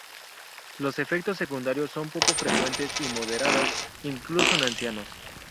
Los efectos secundarios son poco frecuentes y moderadas, incluso en ancianos.